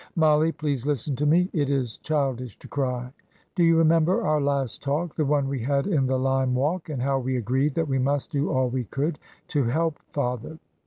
"Mollie, please listen to me. It is childish to cry. Do you remember our last talk the one we had in the Lime Walk, and how we agreed that we must do all we could to help father!"